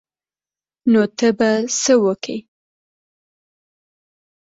نو ته به څه وکې.